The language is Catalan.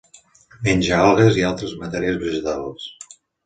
Menja algues i altres matèries vegetals.